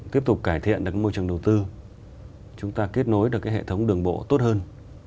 tiếp tục cải thiện được môi trường đầu tư chúng ta kết nối được cái hệ thống đường bộ tốt hơn